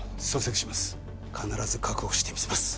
必ず確保してみせます！